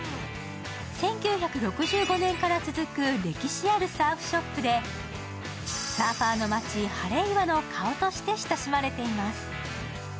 １９６５年から続く歴史あるサーフショップでサーファーの街・ハレイワの顔として親しまれています。